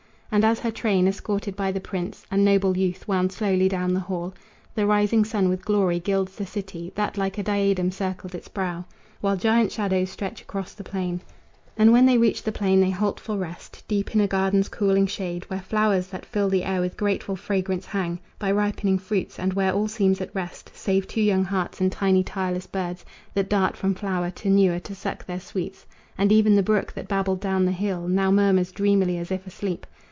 And as her train, escorted by the prince And noble youth, wound slowly down the hill, The rising sun with glory gilds the city That like a diadem circled its brow, While giant shadows stretch across the plain; And when they reach the plain they halt for rest Deep in a garden's cooling shade, where flowers That fill the air with grateful fragrance hang By ripening fruits, and where all seems at rest Save two young hearts and tiny tireless birds That dart from flower to newer to suck their sweets, And even the brook that babbled down the hill Now murmurs dreamily as if asleep.